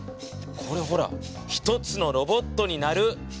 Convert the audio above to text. これほら一つのロボットになる。